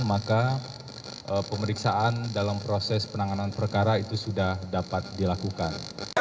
maka pemeriksaan dalam proses penanganan perkara itu sudah dapat dilakukan